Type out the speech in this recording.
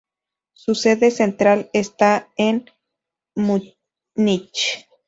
Su sede central está en Múnich.